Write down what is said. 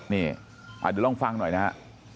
เนี่ยไปดูลองฟังหน่อยนะฮะ